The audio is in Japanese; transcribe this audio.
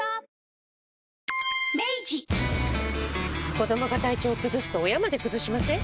子どもが体調崩すと親まで崩しません？